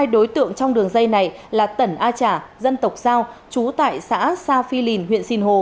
hai đối tượng trong đường dây này là tẩn a trả dân tộc giao chú tại xã sa phi lìn huyện sinh hồ